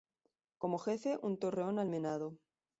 Como Jefe, un Torreón almenado.